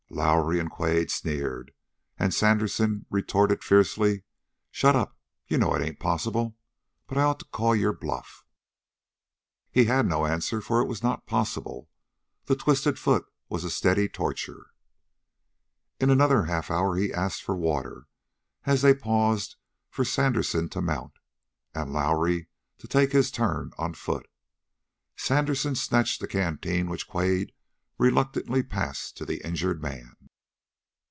Lowrie and Quade sneered, and Sandersen retorted fiercely: "Shut up! You know it ain't possible, but I ought to call your bluff." He had no answer, for it was not possible. The twisted foot was a steady torture. In another half hour he asked for water, as they paused for Sandersen to mount, and Lowrie to take his turn on foot. Sandersen snatched the canteen which Quade reluctantly passed to the injured man.